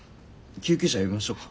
救急車呼びましょうか？